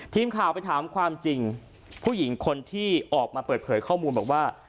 ทีมข่าวไปถามความจริงผู้หญิงคนที่ออกมาเปิดเผยข้อมูลบอกว่า